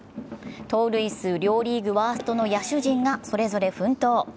盗塁数両リーグワーストの野手陣がそれぞれ奮闘。